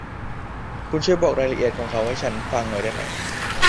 คุณช่วยบอกรายละเอียดของเขาให้ฉันฟังหน่อยได้ไหม ?